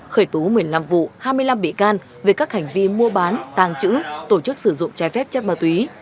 khởi tú một mươi năm vụ hai mươi năm bị can về các hành vi mua bán tàng trữ tổ chức sử dụng trái phép chất ma túy